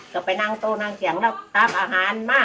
ก็ไปนั่งโตนางแกร่งแล้วตามอาหารมา